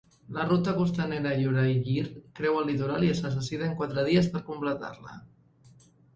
La ruta costanera Yuraygir creua el litoral i es necessiten quatre dies per completar-la.